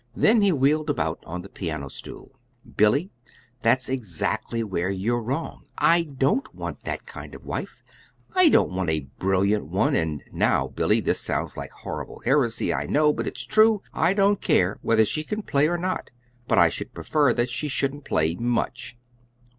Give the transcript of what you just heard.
Then he wheeled about on the piano stool. "Billy, that's exactly where you're wrong I DON'T want that kind of wife. I don't want a brilliant one, and now, Billy, this sounds like horrible heresy, I know, but it's true I don't care whether she can play, or not; but I should prefer that she shouldn't play much!"